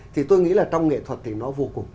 thì tôi nghĩ là trong nghệ thuật thì nó vô cùng